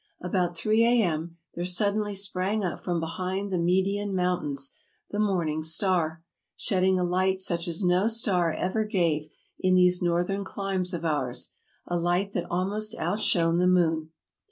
About three A.M. there suddenly sprang up from behind the Median mountains the morning star, shedding a light such as no star ever gave in these northern climes of ours — a light that almost outshone the moon.